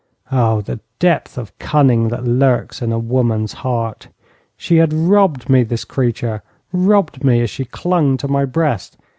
Oh! the depth of cunning that lurks in a woman's heart. She had robbed me, this creature, robbed me as she clung to my breast.